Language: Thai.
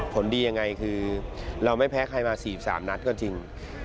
ผลดียังไงคือเราไม่แพ้ใครมา๔๓นัดก็จริง